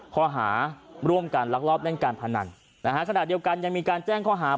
ข้อหาร่วมกันลักลอบเล่นการพนันนะฮะขณะเดียวกันยังมีการแจ้งข้อหา